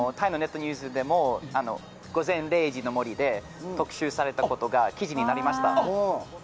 ニュースでも「午前０時の森」で特集されたことが記事になりました。